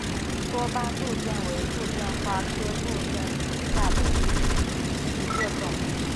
多斑杜鹃为杜鹃花科杜鹃属下的一个种。